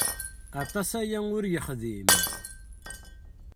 Aṭas aya ur yexdim.